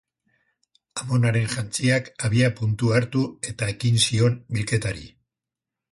Amonaren jantziak abiapuntu hartu eta ekin zion bilketari.